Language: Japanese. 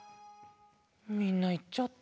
みんないっちゃった。